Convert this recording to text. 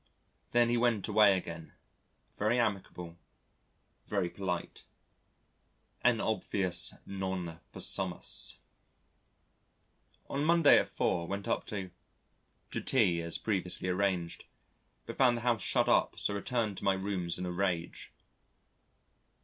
Then he went away again very amiable, very polite an obvious non possumus.... On Monday at 4 went up to to tea as previously arranged, but found the house shut up so returned to my rooms in a rage.